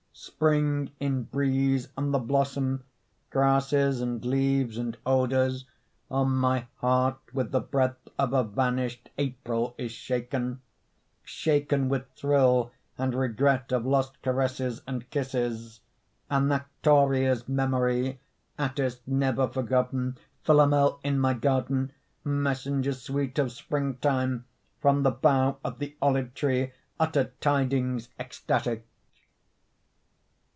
Spring in breeze and the blossom, Grasses and leaves and odors, On my heart with the breath of a vanished April is shaken; Shaken with thrill and regret of Lost caresses and kisses; Anactoria's memory, Atthis Never forgotten. Philomel in my garden, Messenger sweet of springtide, From the bough of the olive tree utter Tidings ecstatic.